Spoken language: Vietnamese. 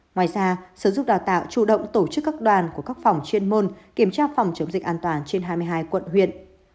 ngoài ra sở dục đào tạo chủ động tổ chức các đoàn của các phòng chuyên môn kiểm tra phòng chống dịch an toàn trên hai mươi hai quận huyện